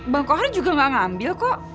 bang kohar juga nggak ngambil kok